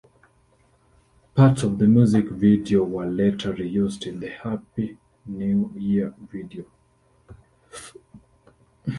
Parts of the music video were later reused in the Happy New Year video.